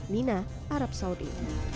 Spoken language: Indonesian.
nina arab saudi